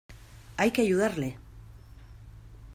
¡ Hay que ayudarle!